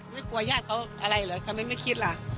ไม่กลัวญาติเขาอะไรเหรอทำไมไม่คิดล่ะ